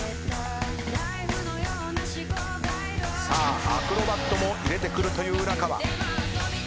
さあアクロバットも入れてくるという浦川。